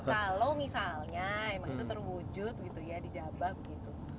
kalau misalnya emang itu terwujud gitu ya di jabah begitu